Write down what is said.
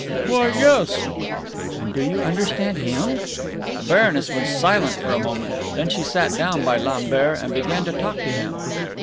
"Why? yes!" "And do you understand Him?" The Baroness was silent for a moment; then she sat down by Lambert, and began to talk to him.